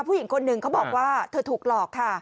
ผู้หญิงคนหนึ่งเขาบอกว่าเธอถูกหลอกค่ะ